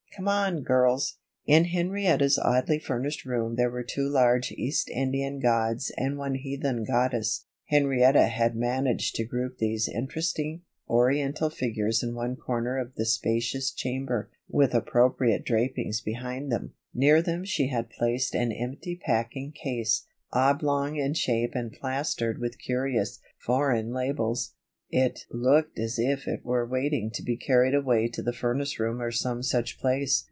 Come on, girls." In Henrietta's oddly furnished room there were two large East Indian gods and one heathen goddess. Henrietta had managed to group these interesting, Oriental figures in one corner of the spacious chamber, with appropriate drapings behind them. Near them she had placed an empty packing case, oblong in shape and plastered with curious, foreign labels. It looked as if it were waiting to be carried away to the furnace room or some such place.